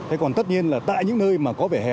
thế còn tất nhiên là tại những nơi mà có vẻ hè